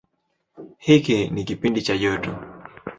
Hiki ni kipindi cha joto.